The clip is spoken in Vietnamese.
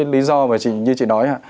lý do như chị nói